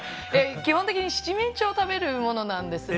基本的に七面鳥を食べるものなんですね。